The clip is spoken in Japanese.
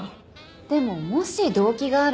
でももし動機があれば。